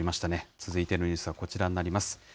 続いてのニュースはこちらになります。